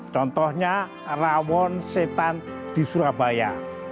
contohnya rawon setan di surabaya